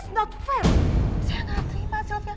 saya enggak terima sylvia